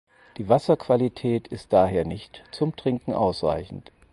Die Wasserqualität ist daher nicht zum Trinken ausreichend.